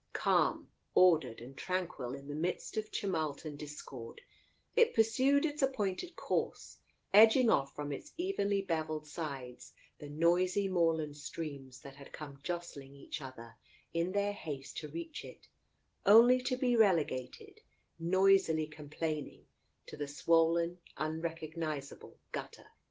Calm, ordered and tranquil in the midst of tumult and discord, it pursued its appointed course, edging off from its evenly bevelled sides the noisy moorland streams, that had come jostling each other in their haste to reach it, only to be relegated, noisily com plaining, to the swollen, unrecognizable gutter.